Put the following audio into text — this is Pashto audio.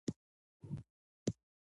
غاتري د بار وړلو لپاره دي.